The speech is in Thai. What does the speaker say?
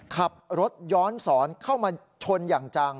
ขับรถย้อนสอนเข้ามาชนอย่างจัง